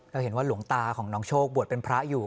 เห็นว่าหลวงตาของน้องโชคบวชเป็นพระอยู่